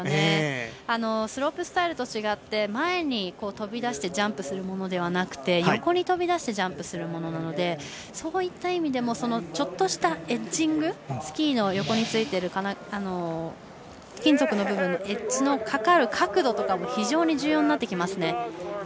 スロープスタイルと違って前に飛び出してジャンプするものではなくて横に飛び出してジャンプするものなのでそういった意味でもちょっとしたエッジングスキーの横についている金属の部分、エッジの角度とかも非常に重要になってきますね。